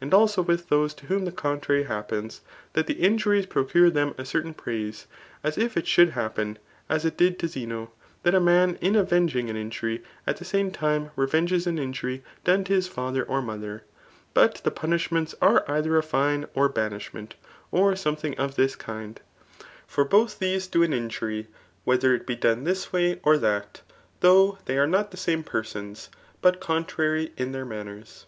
And also with: those to whom the contrary happens, Aat the injuries procure them a certain praise, as tf it should happen, as it did to Zeno, that a man in avenging an injury, at the same time revenges an injury done to his fether or mother ; but the puni^ments are either a fine ct banishment, or something of this kind. For both diese do an injury, whether it be done this way or diat, diough they are not the same persons, but contrary in dieir manners.